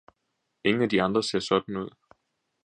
ingen af de andre ser sådan ud!